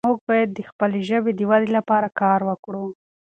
موږ باید د خپلې ژبې د ودې لپاره کار وکړو.